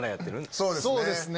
そうですね。